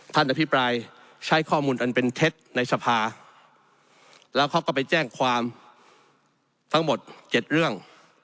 อภิปรายใช้ข้อมูลอันเป็นเท็จในสภาแล้วเขาก็ไปแจ้งความทั้งหมด๗เรื่อง